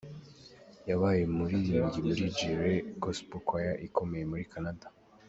Yabaye umuririmbyi muri Jireh Gospel Choir ikomeye muri Canada.